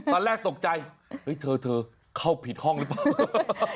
ตอนแรกตกใจเข้าผิดห้องหรือเปล่า